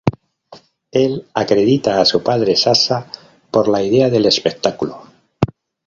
Él acredita a su padre, Sasha, por la idea del espectáculo.